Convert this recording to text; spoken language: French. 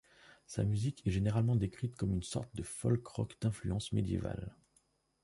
Sa musique est généralement décrite comme une sorte de folk-rock d'influence médiévale.